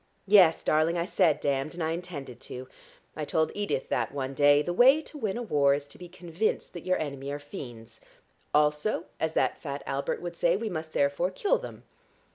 Yes, darling, I said damned, and I intended to. I told Edith that one day. The way to win a war is to be convinced that your enemy are fiends. 'Also,' as that fat Albert would say, 'we must therefore kill them.'